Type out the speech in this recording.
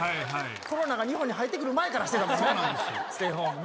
コロナが日本に入ってくる前からしてたもんね。